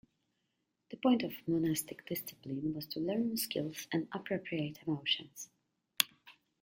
The point of monastic discipline was to learn skills and appropriate emotions.